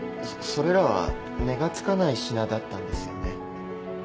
そそれらは値が付かない品だったんですよね？